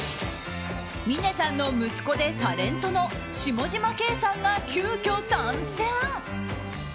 峰さんの息子でタレントの下嶋兄さんが急きょ、参戦。